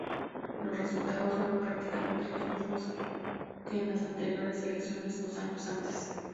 Los resultados fueron prácticamente los mismos que en las anteriores elecciones, dos años antes.